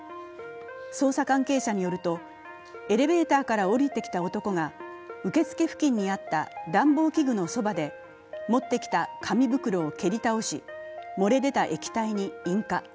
捜査関係者によると、エレベーターから下りてきた男が受付付近にあった暖房器具のそばで持ってきた紙袋を蹴り倒し、漏れ出た液体に引火。